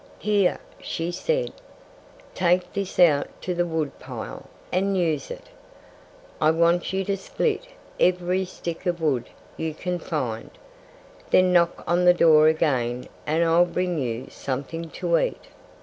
"Here!" she said. "Take this out to the wood pile and use it! I want you to split every stick of wood you can find. Then knock on the door again and I'll bring you something to eat."